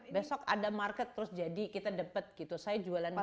besok ada market terus jadi kita dapet gitu saya jualan